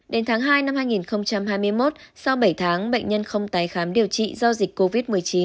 đến tháng hai năm hai nghìn hai mươi một sau bảy tháng bệnh nhân không tái khám điều trị do dịch covid một mươi chín